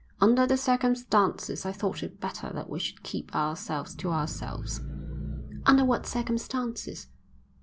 Under the circumstances I thought it better that we should keep ourselves to ourselves." "Under what circumstances?"